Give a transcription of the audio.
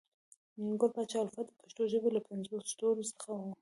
ګل پاچا الفت د پښنو ژبې له پنځو ستورو څخه وو